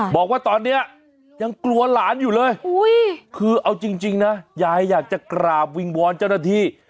บอกว่าตอนนี้ยังกลัวหลานอยู่เลยคือเอาจริงนะยายอยากจะกราบวิงวอนเจ้าหน้าที่